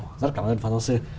rất cảm ơn pháp giáo sư